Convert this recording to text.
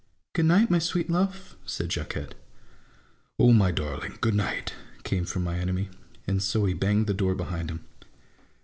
" Good night, my sweet love !" said Jacquctte. (< O my darling, good night !" came from my enemy, and so he banged the door behind him.